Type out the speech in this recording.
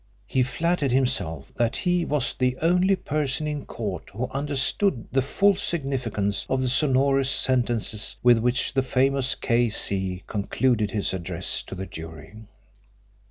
He flattered himself that he was the only person in court who understood the full significance of the sonorous sentences with which the famous K.C. concluded his address to the jury.